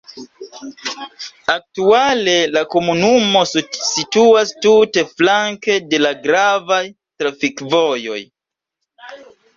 Aktuale la komunumo situas tute flanke de la gravaj trafikvojoj.